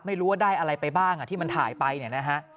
ไม่รู้ว่าได้อะไรไปบ้างที่มันถ่ายไปเนี่ยนะฮะ